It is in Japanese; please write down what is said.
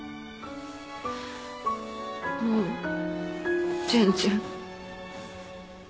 もう全然。